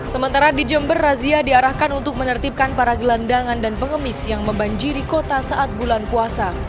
sementara di jember razia diarahkan untuk menertibkan para gelandangan dan pengemis yang membanjiri kota saat bulan puasa